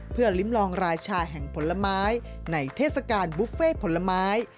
เพื่อลิ้มลองราชาแห่งผลไม้ในเทศกาลบุฟเฟ่ผลไม้